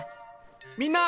みんな！